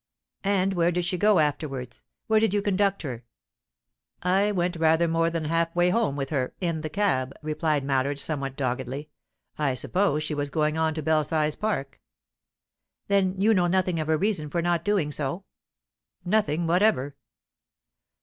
"And where did she go afterwards? Where did you conduct her?" "I went rather more than half way home with her, in the cab" replied Mallard, somewhat doggedly. "I supposed she was going on to Belsize Park." "Then you know nothing of her reason for not doing so?" "Nothing whatever."